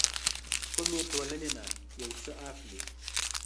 کومې ټولنې نه يو څه اخلي.